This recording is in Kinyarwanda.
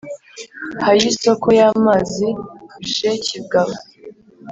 ha y isoko y amazi j kigaba